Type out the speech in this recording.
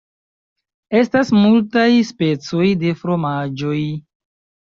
Estas multaj specoj de fromaĝoj.